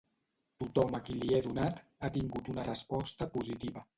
Tothom a qui li he donat ha tingut una resposta positiva.